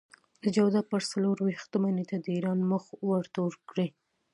د جوزا پر څلور وېشتمه نېټه د ايران مخ ورتور کړئ.